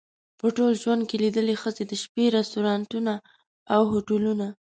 په ټول ژوند کې لیدلې ښځې د شپې رستورانتونه او هوټلونه.